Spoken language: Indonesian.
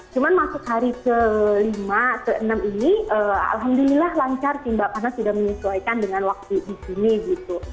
cuma masuk hari ke lima ke enam ini alhamdulillah lancar sih mbak karena sudah menyesuaikan dengan waktu di sini gitu